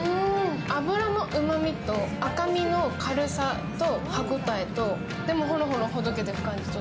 脂のうまみと赤身の軽さと歯応えとでも、ほろほろほどけてく感じと。